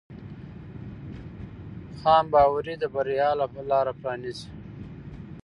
ځانباوري د بریا لاره پرانیزي.